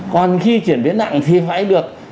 còn khi chuyển biến nặng thì phải được